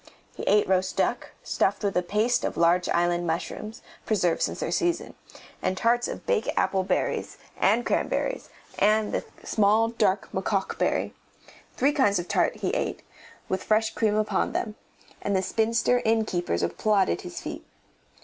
He ate roast duck, stuffed with a paste of large island mushrooms, preserved since their season, and tarts of bake apple berries, and cranberries, and the small dark mokok berry three kinds of tart he ate, with fresh cream upon them, and the spinster innkeepers applauded his feat.